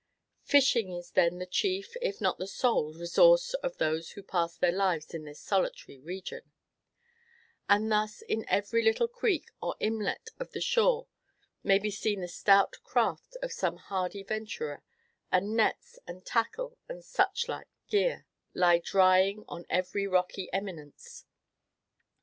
Fishing is then the chief, if not the sole, resource of those who pass their lives in this solitary region; and thus in every little creek or inlet of the shore may be seen the stout craft of some hardy venturer, and nets, and tackle, and such like gear, lie drying on every rocky eminence.